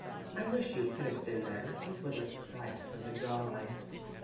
I wish you could have been there. It was a sight for the gods."